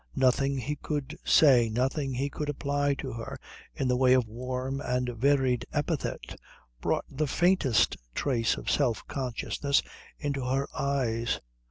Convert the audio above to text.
Nothing he could say, nothing he could apply to her in the way of warm and varied epithet, brought the faintest trace of self consciousness into her eyes.